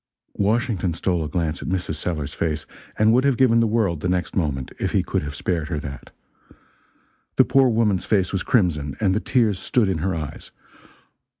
Washington stole a glance at Mrs. Sellers's face, and would have given the world, the next moment, if he could have spared her that. The poor woman's face was crimson, and the tears stood in her eyes.